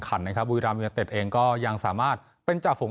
ขันนะครับบุยลำเงินเต็จเองก็ยังสามารถเป็นจ่าฝุง